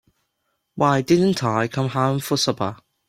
Why didn't I come home for supper?